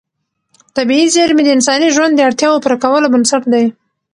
طبیعي زېرمې د انساني ژوند د اړتیاوو پوره کولو بنسټ دي.